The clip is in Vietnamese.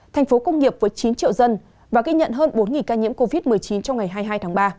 thành phố công nghiệp với chín triệu dân và ghi nhận hơn bốn ca nhiễm covid một mươi chín trong ngày hai mươi hai tháng ba